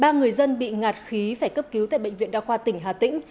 ba người dân bị ngạt khí phải cấp cứu tại bệnh viện đa khoa tỉnh hà tĩnh